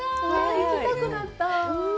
行きたくなった。